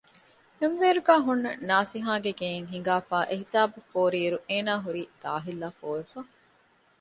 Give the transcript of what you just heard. ހެންވޭރުގައި ހުންނަ ނާސިހާގެ ގެއިން ހިނގާފައި އެހިސާބަށް ފޯރިއިރު އޭނާ ހުރީ ދާހިއްލާފޯވެފަ